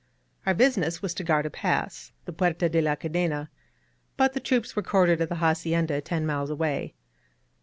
Our business was to guard a pass, the Puerta de la Cadena; but the troops were quartered at the hacienda, ten miles away.